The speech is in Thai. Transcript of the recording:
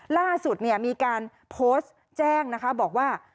ล่าสุดมีการโพสต์แจ้งนะคะบอกว่า